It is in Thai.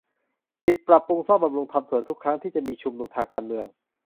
ปิดปรับปรุงซ่อมบำรุงทำสวนทุกครั้งที่จะมีชุมนุมทางการเมือง